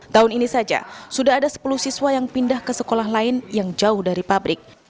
tahun ini saja sudah ada sepuluh siswa yang pindah ke sekolah lain yang jauh dari pabrik